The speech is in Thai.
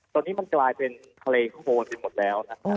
ตอนนี้มันกลายเป็นเครกศ์โพสิทธิ์หมดแล้ว